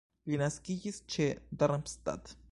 Li naskiĝis ĉe Darmstadt.